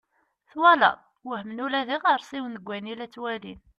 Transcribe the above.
Twalaḍ! Wehmen ula d iɣersiwen deg wayen i la ttwalin.